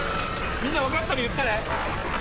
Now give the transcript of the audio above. みんな分かったら言ってね。